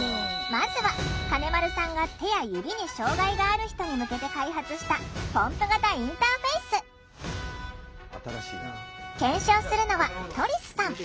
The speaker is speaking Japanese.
まずは金丸さんが手や指に障害がある人に向けて開発した検証するのはトリスさん。